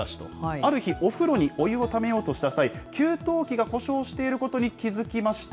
ある日、お風呂にお湯をためようとした際、給湯器が故障していることに気付きました。